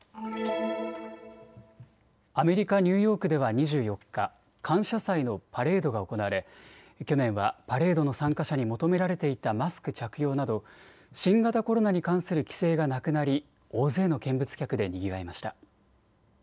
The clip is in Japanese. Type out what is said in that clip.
アメリカ・ニューヨークでは２４日、感謝祭のパレードが行われ去年はパレードの参加者に求められていたマスク着用など新型コロナに関する規制がなくなり大勢の見物客でにぎわいました。